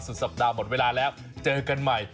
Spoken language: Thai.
สัปดาห์หมดเวลาแล้วเจอกันใหม่